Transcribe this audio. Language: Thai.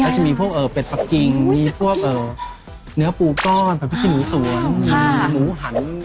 จะมีพวกเป็ดปังกิ่งเนื้อปูก้อนใหม่พริกนิ้วสวนหมูหัน